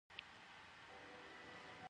د چاپېریال پاک ساتل زموږ دنده ده.